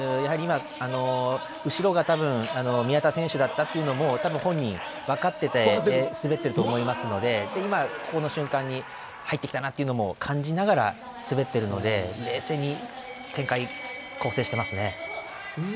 今、後ろが宮田選手だったというのも本人、分かって滑っていると思いますので今この瞬間に入ってきたなというのも感じながら滑っているので冷静に展開、構成していますね。